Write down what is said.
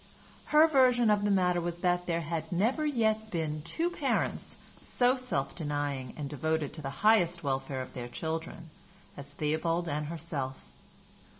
Her version of the matter was that there had never yet been two parents so self denying and devoted to the highest welfare of their children as Theobald and herself.